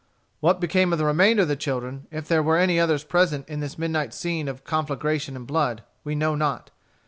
What became of the remainder of the children, if there were any others present in this midnight scene of conflagration and blood, we know not.